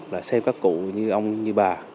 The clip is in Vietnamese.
là xem các cụ như ông như bà